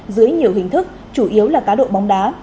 dưới nhiều hình thức chủ yếu là cá độ bóng đá